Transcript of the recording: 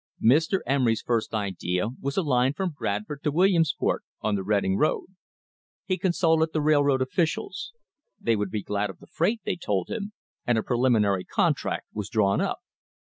Mr. Emery's first idea was a line from Bradford to Williams port, on the Reading road. He consulted the railroad offi cials. They would be glad of the freight, they told him, and a preliminary contract was drawn up.